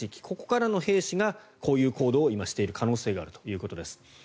ここからの兵士がこういう行動をしている可能性が今あるということです。